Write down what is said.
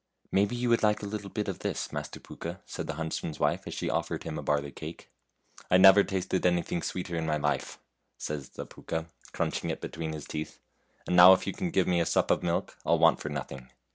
" Maybe you would like a little bit of this, Master Pooka," said the huntsman's wife, as she offered him a barley cake. " I never tasted anything sweeter in my life,'' 82 FAIRY TALES said the Pooka, crunching it between his teeth, " and now if you can give me a sup of milk, I'll want for nothing."